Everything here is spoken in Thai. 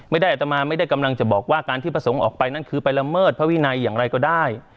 อัตมาไม่ได้กำลังจะบอกว่าการที่พระสงฆ์ออกไปนั่นคือไปละเมิดพระวินัยอย่างไรก็ได้